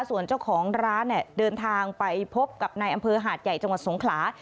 ส่วนเจ้าของร้านเนี่ยเดินทางไปพบกับนายอำเภอหาดใหญ่จังหวัดสงขลา